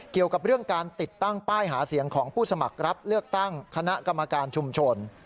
เกี่ยวกับเรื่องการติดตั้งป้ายหาเสียงของผู้สมัครรับเลือกตั้งคณะกรรมการชุมชน